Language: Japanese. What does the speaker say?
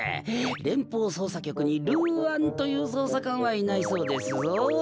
れんぽうそうさきょくにルーアンというそうさかんはいないそうですぞ。